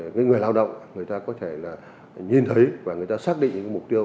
người lao động người ta có thể nhìn thấy và người ta xác định những mục tiêu